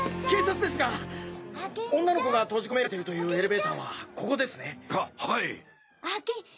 警察ですが女の子が閉じ込められてるというエレベーターはここですね？ははい。